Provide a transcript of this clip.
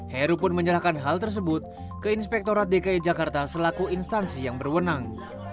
heru pun menyerahkan hal tersebut ke inspektorat dki jakarta selaku instansi yang berwenang